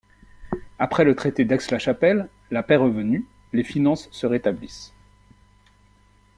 Après le traité d'Aix-la-Chapelle, la paix revenue, les finances se rétablissent.